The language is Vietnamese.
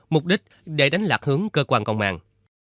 mục đích để đánh lạc hướng cơ quan công an